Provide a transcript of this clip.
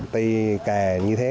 tuy kè như thế